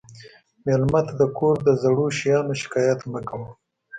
مېلمه ته د کور د زړو شیانو شکایت مه کوه.